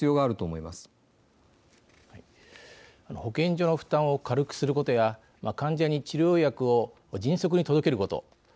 保健所の負担を軽くすることや患者に治療薬を迅速に届けること。